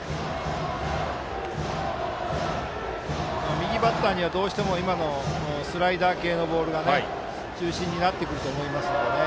右バッターにはどうしてもスライダー系のボールが中心になってくると思いますので。